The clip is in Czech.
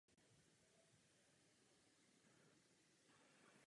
Z hlediska ochrany je obzvláště cenný výskyt různých druhů mechorostů a lišejníků.